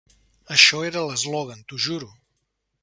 Això era l'eslògan, t'ho juro.